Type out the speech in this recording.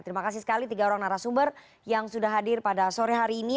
terima kasih sekali tiga orang narasumber yang sudah hadir pada sore hari ini